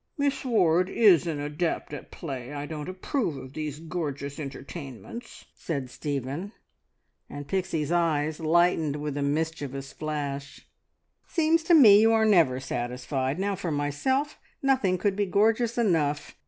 "Miss Ward is an adept at play. I don't approve of these gorgeous entertainments," said Stephen, and Pixie's eyes lightened with a mischievous flash. "Seems to me you are never satisfied! Now for myself nothing could be gorgeous enough!"